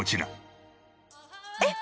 えっ！